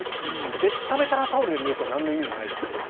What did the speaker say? べたべたのタオルで拭うとなんの意味もないですけど。